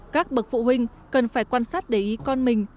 các bậc phụ huynh cần phải quan sát để ý con mình